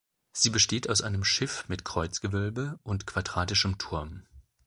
Sie besteht aus einem Schiff mit Kreuzgewölbe und quadratischem Turm.